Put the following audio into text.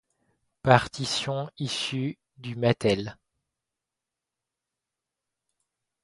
Partition issue du mantel.